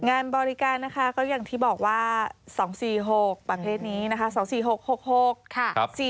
งานบริการนะคะก็อย่างที่บอกว่า๒๔๖ประเภทนี้นะคะ๒๔๖๖ค่ะ